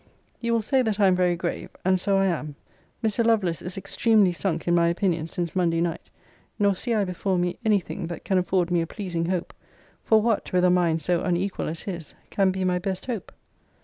You will say that I am very grave: and so I am. Mr. Lovelace is extremely sunk in my opinion since Monday night: nor see I before me any thing that can afford me a pleasing hope. For what, with a mind so unequal as his, can be my best hope?